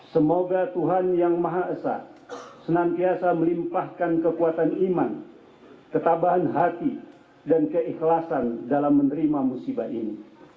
semoga tuhan yang maha esa senantiasa melimpahkan kekuatan iman ketabahan hati dan keikhlasan dalam menerima musibah ini